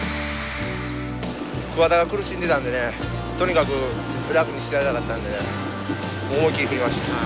桑田が苦しんでたんでねとにかく楽にしてあげたかったんでね思い切り振りました。